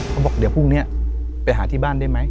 เขาบอกเดี๋ยวพรุ่งนี้ไปหาที่บ้านได้ไหม